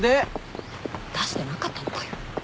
出してなかったのかよ。